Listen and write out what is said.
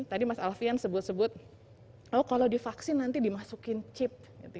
tadi mas alfian sebut sebut oh kalau divaksin nanti dimasukin chip